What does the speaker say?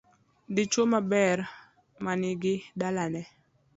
Dichuo ber manigi dalane